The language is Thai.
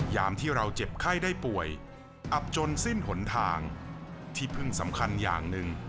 ยามที่เราเจ็บไข้ได้ป่วยอับจนสิ้นหนทางที่พึ่งสำคัญอย่างหนึ่ง